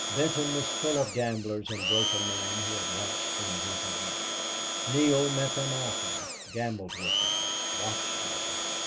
Benton was full of gamblers and broken men who had once been gentlemen. Neale met them often gambled with them, watched them.